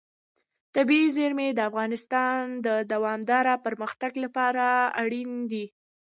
طبیعي زیرمې د افغانستان د دوامداره پرمختګ لپاره اړین دي.